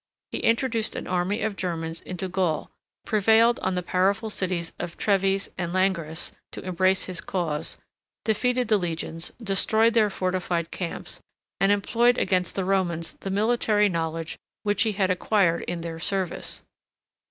He introduced an army of Germans into Gaul, prevailed on the powerful cities of Treves and Langres to embrace his cause, defeated the legions, destroyed their fortified camps, and employed against the Romans the military knowledge which he had acquired in their service.